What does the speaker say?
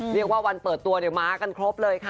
เรียกว่าวันเปิดตัวมากันครบเลยค่ะ